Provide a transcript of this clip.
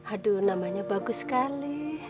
aduh namanya bagus sekali